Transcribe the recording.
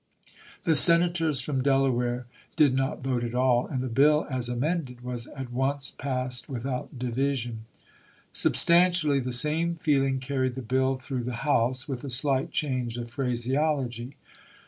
The Senators from Dela •• Giobe. ware did not vote at all, and the bill as amended pp. 218, 219! was at once passed without division. Substantially the same feeling carried the bill through the House with a slight change of phrase ology.